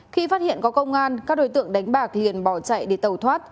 khi phát hiện có công an các đối tượng đánh bạc hiền bỏ chạy để tàu thoát